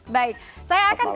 baik saya akan ke